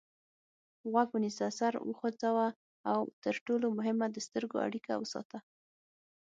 غوږ ونیسه سر وخوځوه او تر ټولو مهمه د سترګو اړیکه وساته.